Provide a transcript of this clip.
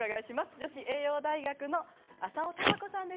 女子栄養大学の浅尾貴子さんです。